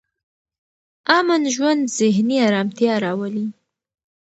امن ژوند ذهني ارامتیا راولي.